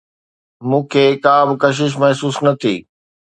مون کي ڪا به ڪشش محسوس نه ٿي.